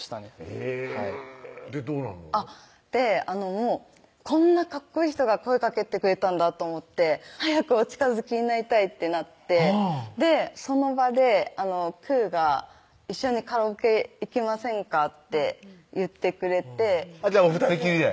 へぇでどうなんの？でこんなかっこいい人が声かけてくれたんだと思って早くお近づきになりたいってなってその場でくーが「一緒にカラオケ行きませんか？」って言ってくれてじゃあ２人きりで？